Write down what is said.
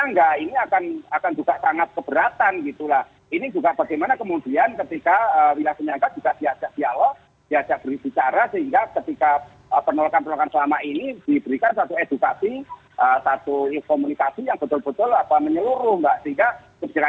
nah ini angkot itu bisa diganti dengan jendela kendaraan yang lebih lebih lagi